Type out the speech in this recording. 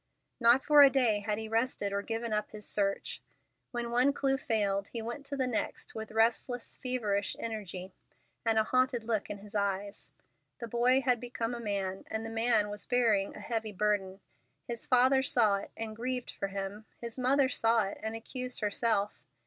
Not for a day had he rested or given up his search. When one clue failed, he went to the next with restless, feverish energy, and a haunted look in his eyes. The boy had become a man, and the man was bearing a heavy burden. His father saw it, and grieved for him. His mother saw it, and accused herself.